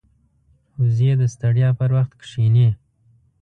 وزې د ستړیا پر وخت کښیني